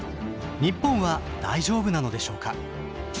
日本は大丈夫なのでしょうか？